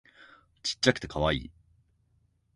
ちっちゃくてカワイイ